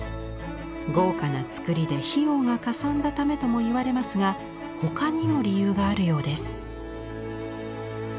豪華な作りで費用がかさんだためともいわれますが他にも理由があるようです。